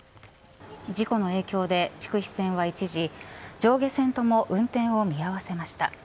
事故の影響で、筑肥線は一時上下線とも運転を見合わせました。